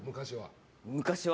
昔は。